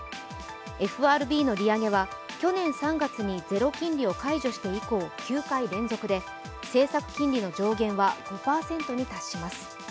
ＦＲＢの利上げは去年３月にゼロ金利を解除して以降、９回連続で政策金利の上限は５％に達します。